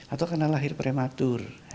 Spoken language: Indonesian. atau karena lahir prematur